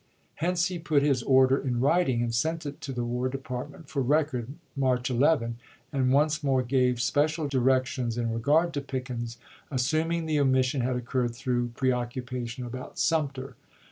Hence he put MS his order in writing, and sent it to the War De partment for record March 11, and once more gave special directions in regard to Pickens, assuming the omission had occurred through preoccupation about Sumter.